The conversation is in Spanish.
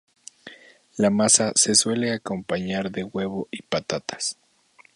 La masa se suele acompañar de huevo y patatas.